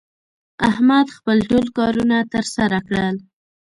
احمد خپل ټول کارونه تر سره کړل